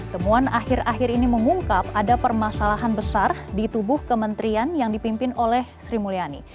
temuan akhir akhir ini mengungkap ada permasalahan besar di tubuh kementerian yang dipimpin oleh sri mulyani